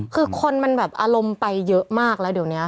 คือคนมันแบบอารมณ์ไปเยอะมากแล้วเดี๋ยวนี้